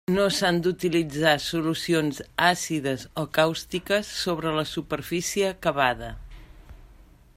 No s'han d'utilitzar solucions àcides o càustiques sobre la superfície acabada.